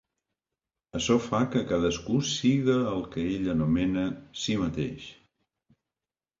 Açò fa que cadascú siga el que ell anomena si mateix.